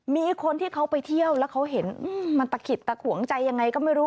มีคนที่เขาไปเที่ยวแล้วเขาเห็นมันตะขิดตะขวงใจยังไงก็ไม่รู้